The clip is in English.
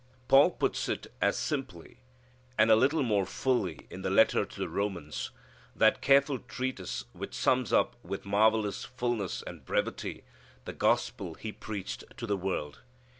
Paul puts it as simply and a little more fully in the letter to the Romans, that careful treatise which sums up with marvellous fulness and brevity the gospel he preached to the world.